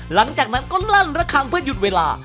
หลังจากนั้นก็ลั่นระคังเพื่อหยุดเวลา